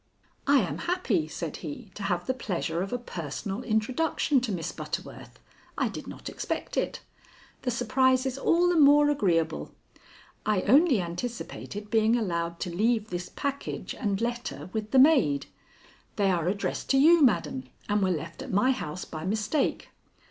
"I am happy," said he, "to have the pleasure of a personal introduction to Miss Butterworth. I did not expect it. The surprise is all the more agreeable. I only anticipated being allowed to leave this package and letter with the maid. They are addressed to you, madam, and were left at my house by mistake."